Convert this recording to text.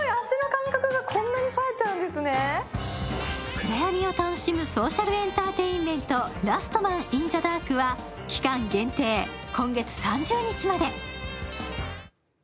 暗闇を楽しむソーシャルエンターテインメント、ラストマン・イン・ザ・ダークは期間限定、今月３０日まで。